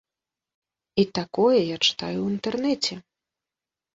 І такое я чытаю ў інтэрнэце!